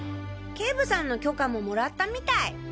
警部さんの許可ももらったみたい。